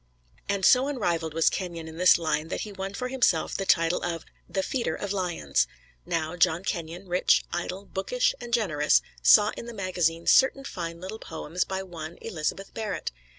And so unrivaled was Kenyon in this line that he won for himself the title of "The Feeder of Lions." Now, John Kenyon rich, idle, bookish and generous saw in the magazines certain fine little poems by one Elizabeth Barrett.